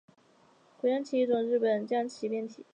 鬼将棋是一种日本将棋变体。